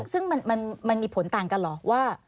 ซึ่งมันมีผลต่างกันเหรอว่า